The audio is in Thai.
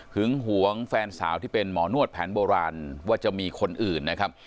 หวงแฟนสาวที่เป็นหมอนวดแผนโบราณว่าจะมีคนอื่นนะครับ